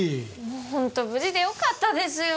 もうホント無事でよかったですよ